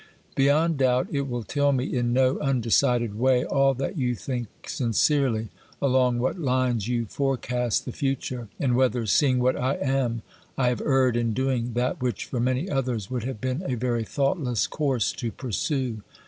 Beyond doubt it will tell me in no undecided way all that you think sincerely, along what lines you forecast the future, and whether, seeing what I am, I have erred in doing that which for many others would have been a very thoughtless course to pursue.